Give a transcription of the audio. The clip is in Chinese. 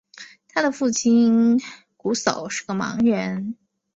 他的父亲瞽叟是个盲人。